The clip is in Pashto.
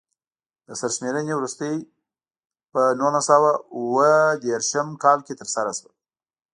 د سرشمېرنې وروستۍ په نولس سوه اووه دېرش کال کې ترسره شوه.